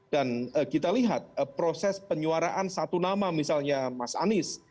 dan kita lihat proses penyuaraan satu nama misalnya mas anies